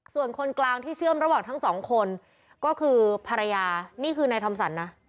ส่วนคนกลางที่เชื่อมระหว่างทั้งสองคนก็คือภรรยานี่คือนายทอมสรรนะ